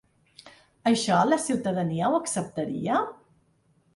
Això, la ciutadania ho acceptaria?